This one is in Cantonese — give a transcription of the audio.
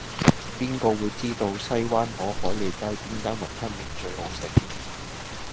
邊個會知道西灣河海利街邊間雲吞麵最好食